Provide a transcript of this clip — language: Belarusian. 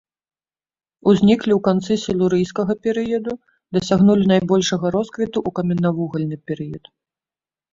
Узніклі ў канцы сілурыйскага перыяду, дасягнулі найбольшага росквіту ў каменнавугальны перыяд.